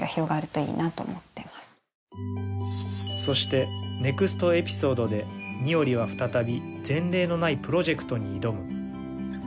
そしてネクストエピソードで新居は再び前例のないプロジェクトに挑む。